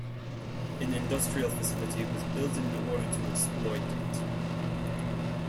An industrial facility was built in order to exploit it.